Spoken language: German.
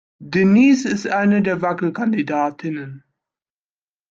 Denise ist eine der Wackelkandidatinnen.